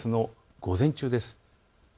午前中です。